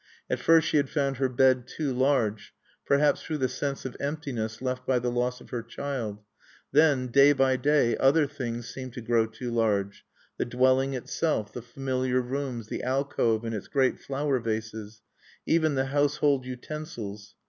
At first she had found her bed too large perhaps through the sense of emptiness left by the loss of her child; then, day by day, other things seemed to grow too large, the dwelling itself, the familiar rooms, the alcove and its great flower vases, even the household utensils.